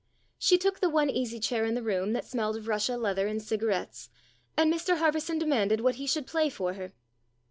She took the one easy chair in the room that smelled of russia leather and cigarettes, and Mr Harverson demanded what he should play for her.